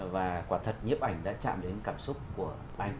và quả thật nhiếp ảnh đã chạm đến cảm xúc của anh